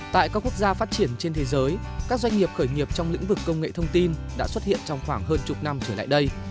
tại các quốc gia phát triển trên thế giới các doanh nghiệp khởi nghiệp trong lĩnh vực công nghệ thông tin đã xuất hiện trong khoảng hơn chục năm trở lại đây